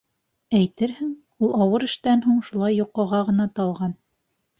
Әйтерһең, ул ауыр эштән һуң шулай йоҡоға ғына талған.